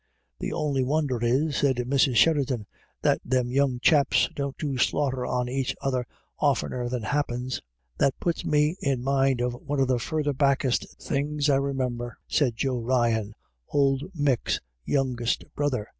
" The on'y wonder is," said Mrs. Sheridan, " that them young chaps don't do slaughter on aich other oftener than happens." u That puts me in mind of one of the further backest things I remimber," said Joe Ryan, old Mick's youngest brother.